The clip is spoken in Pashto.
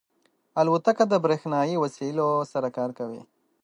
الوتکه د بریښنایی وسایلو سره کار کوي.